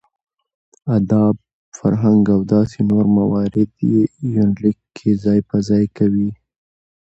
اداب ،فرهنګ او داسې نور موارد يې په يونليک کې ځاى په ځاى کوي .